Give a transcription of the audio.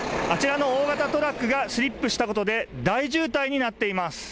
あちらの大型トラックがスリップしたことで大渋滞になっています。